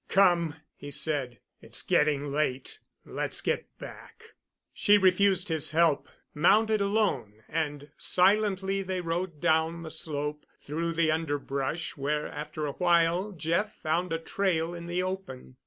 "Come," he said, "it's getting late. Let's get back." She refused his help, mounted alone, and silently they rode down the slope through the underbrush, where after a while Jeff found a trail in the open.